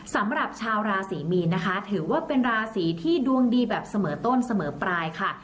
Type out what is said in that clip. สำหรับชาวราศรีมีนนะคะถือว่าเป็นราศีที่ดวงดีแบบเสมอต้นเสมอปลายค่ะ